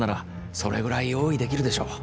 それぐらい用意できるでしょう